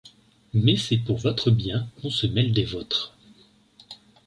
Mais c’est pour votre bien qu’on se mêle des vôtres.